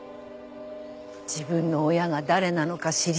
自分の親が誰なのか知りたい。